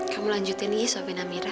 kamu lanjutin gi swapin amira